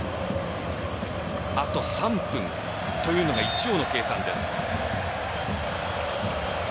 あと３分というのが一応の計算です。